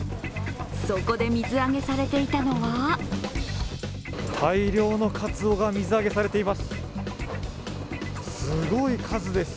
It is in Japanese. そこで水揚げされていたのは大量のかつおが水揚げされています、すごい数です。